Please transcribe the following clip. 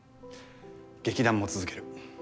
劇団も続ける。